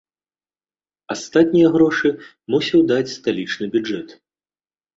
Астатнія грошы мусіў даць сталічны бюджэт.